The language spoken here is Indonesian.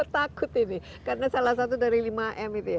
takut ini karena salah satu dari lima m